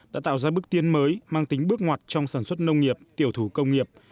đã tạo ra bước tiến mới mang tính bước ngoặt trong sản xuất nông nghiệp tiểu thủ công nghiệp